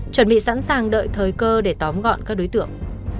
chuẩn bị sẵn sàng đợi thời cơ để tóm gọn các đối tượng